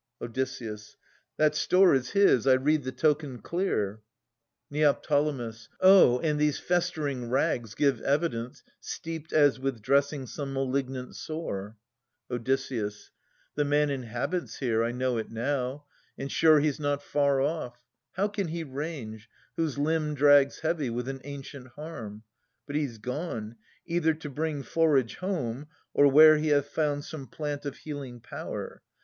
Od. That store is his. I read the token clear. Neo. Oh I and these festering rags give evidence, Steeped as with dressing some malignant sore. Od. The man inhabits here : I know it now. And sure he's not far off. How can he range. Whose limb drags heavy with an ancient harm? But he 's gone, either to bring forage home, Or where he hath found some plant of healing power.